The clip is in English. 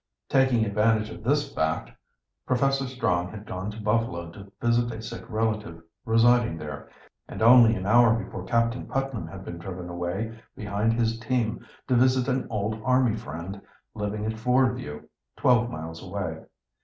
Taking advantage of this fact Professor Strong had gone to Buffalo to visit a sick relative residing there, and only an hour before Captain Putnam had been driven away behind his team to visit an old army friend living at Fordview, twelve miles away.